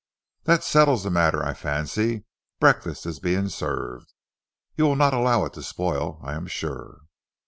"That settles the matter, I fancy. Breakfast is being served. You will not allow it to spoil, I am sure."